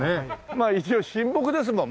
まあ一応神木ですもん。